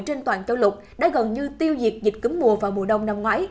trên toàn châu lục đã gần như tiêu diệt cúm mùa vào mùa đông năm ngoái